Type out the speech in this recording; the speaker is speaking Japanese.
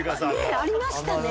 ありましたね。